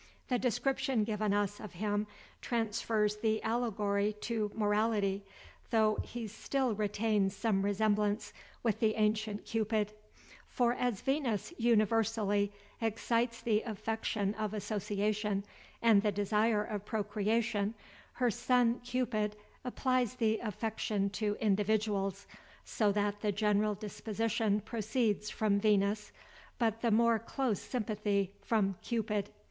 The description given us of him transfers the allegory to morality, though he still retains some resemblance with the ancient Cupid; for as Venus universally excites the affection of association, and the desire of procreation, her son Cupid applies the affection to individuals; so that the general disposition proceeds from Venus, but the more close sympathy from Cupid.